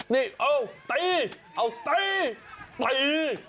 นี่เอาตีเอาตีตี